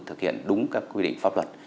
thực hiện đúng các quy định pháp luật